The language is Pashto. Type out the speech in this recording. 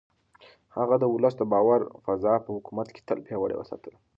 هغه د ولس د باور فضا په حکومت کې تل پياوړې وساتله.